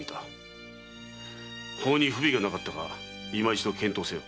法に不備がなかったか今一度検討せよ。